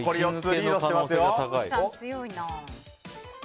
リードしています。